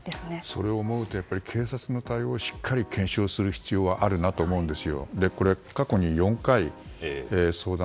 それを思うと警察の対応をしっかり検証する必要があるなと思うんです。